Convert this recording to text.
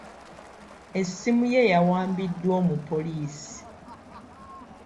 Essimu ye yawambiddwa omupoliisi.